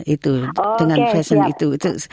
itu dengan fashion itu